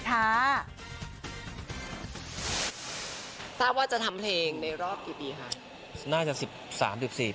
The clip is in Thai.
ทราบว่าจะทำเพลงในรอบกี่ปีคะ